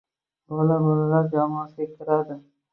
Bola bolalar jamoasiga kiradi.